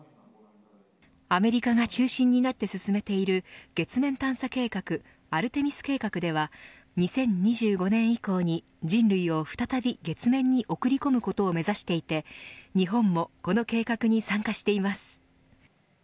アメリカが中心になって進めている月面探査計画アルテミス計画では２０２５年以降に人類を再び月面に送り込むことを目指していて日本もこの計画に参加しています。